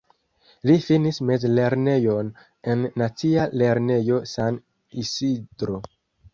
Li finis mezlernejon en Nacia Lernejo San Isidro.